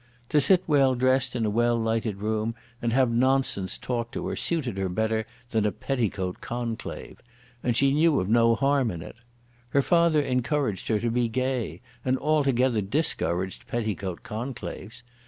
To sit well dressed in a well lighted room and have nonsense talked to her suited her better than a petticoat conclave. And she knew of no harm in it. Her father encouraged her to be gay, and altogether discouraged petticoat conclaves.